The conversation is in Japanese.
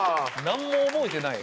何も覚えてない。